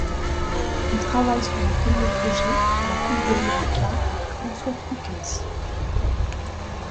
Il travaille sur un premier projet sur la Coupe de l'America avec François Troukens.